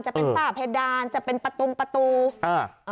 จะเป็นฝ้าเพดานจะเป็นประตูประตูอ่า